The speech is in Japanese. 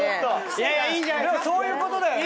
そういうことだよね